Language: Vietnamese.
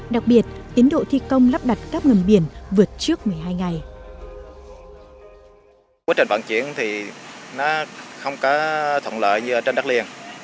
đặc biệt tiến độ thi công lắp đặt các ngầm biển vượt trước một mươi hai ngày